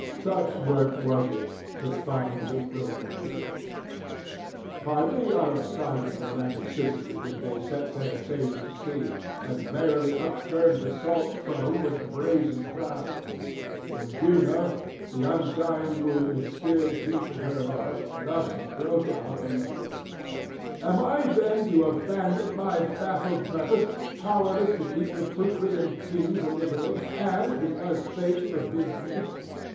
Such work was it to found the Roman people. Hardly out of sight of the land of Sicily did they set their sails to sea, and merrily upturned the salt foam with brazen prow, when Juno, the undying wound still deep in her heart, thus broke out alone: 'Am I then to abandon my baffled purpose, powerless to keep the Teucrian king from Italy? and because fate forbids me?